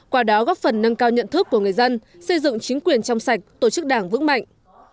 qua đó góp phần nâng cao nhận thức của người dân xây dựng chính quyền trong sạch tổ chức đảng vững mạnh